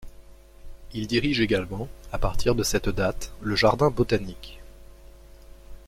Il dirige également, à partir de cette date, le jardin botanique.